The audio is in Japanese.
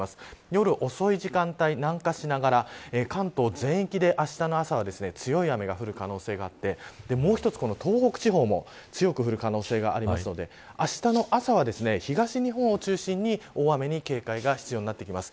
夜遅い時間帯南下しながら関東全域であしたの朝は強い雨が降る可能性があってもう一つ、東北地方も強く降る可能性がありますのであしたの朝は東日本を中心に大雨に警戒が必要になってきます。